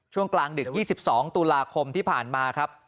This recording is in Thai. ช่วงกลางดึก๒๒ตุลาคมที่ผ่านมาครับ